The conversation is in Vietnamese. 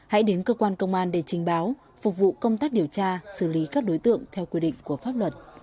hãy đến cơ quan công an để trình báo phục vụ công tác điều tra xử lý các đối tượng theo quy định của pháp luật